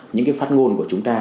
những cái phát ngôn của chúng ta